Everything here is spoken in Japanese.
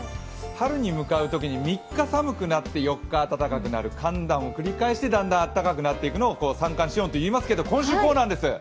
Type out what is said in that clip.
春に向かうときに３日寒くなって４日暖かくなる寒暖を繰り返して、だんだん暖かくなっていくのを三寒四温といいますが今週こうなんです。